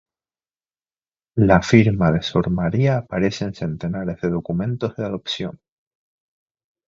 La firma de Sor María aparece en centenares de documentos de adopción.